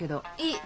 いい。